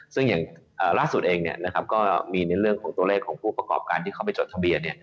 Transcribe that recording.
ซึ่งอย่างล่าสุดเองก็มีในเรื่องของตัวเลขของผู้ประกอบการที่เข้าไปจดทะเบียน